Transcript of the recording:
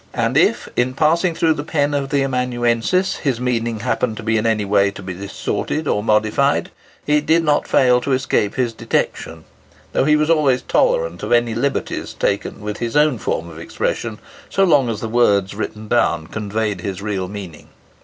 And if, in passing through the pen of the amanuensis, his meaning happened in any way to be distorted or modified, it did not fail to escape his detection, though he was always tolerant of any liberties taken with his own form of expression, so long as the words written down conveyed his real meaning.